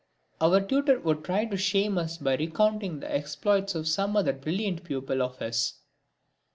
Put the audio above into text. Our tutor would try to shame us by recounting the exploits of some other brilliant pupil of his.